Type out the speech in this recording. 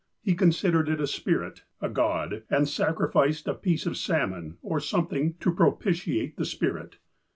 lie considered it a spirit, a god, and sacri ficed a piece of salmon, or something, to propitiate the spirit.